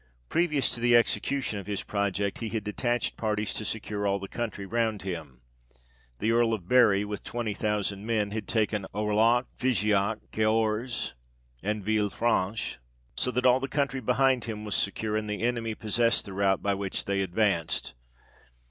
Previous to the execution of his project, he had detached parties to secure all the country round him. The Earl of Bury, with twenty thousand men had taken Aurillac, Figeac, Cahors, and Ville Franche, so that all the country behind him was secure ; and the enemy possessed the route by which they advanced.